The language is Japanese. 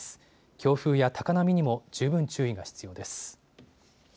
強風や高波にも十分注意が必要です。